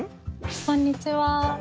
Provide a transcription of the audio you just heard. こんにちは。